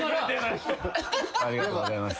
ありがとうございます。